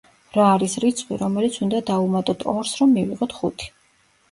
რა არის რიცხვი, რომელიც უნდა დავუმატოთ ორს, რომ მივიღოთ ხუთი?